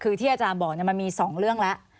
คือที่อาจารย์บอกมันมี๒เรื่องแล้ว